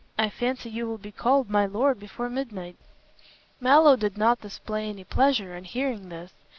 I fancy you will be called `my lord' before midnight." Mallow did not display any pleasure on hearing this.